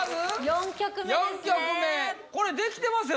４曲目これできてますよ